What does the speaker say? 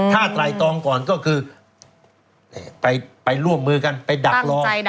ถ้าไตรตองก่อนก็คือไปร่วมมือกันไปดักรอ